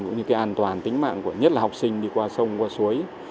cũng như cái an toàn tính mạng của nhất là học sinh đi qua sông qua suối